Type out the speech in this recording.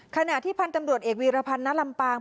ขณะที่พันธุ์ตำรวจเอกวีรพันธ์ณลำปาง